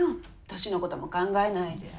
年のことも考えないで。